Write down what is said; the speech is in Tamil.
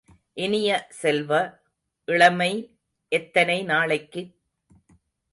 இனிய செல்வ, இளமை எத்தனை நாளைக்கு?